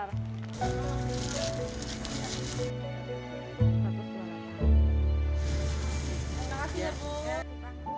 terima kasih ibu